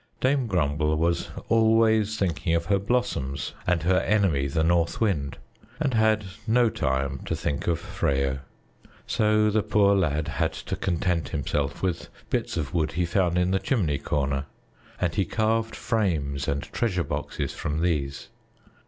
Dame Grumble was always thinking of her blossoms and her enemy, the North Wind, and had no time to think of Freyo. So the poor lad had to content himself with bits of wood he found in the chimney corner, and he carved frames and treasure boxes from these.